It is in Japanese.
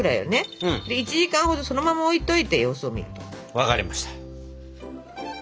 分かりました。